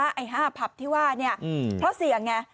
ไอ้๕ผับที่ว่าเนี่ยเพราะเสี่ยงไง